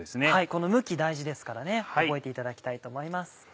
この向き大事ですからね覚えていただきたいと思います。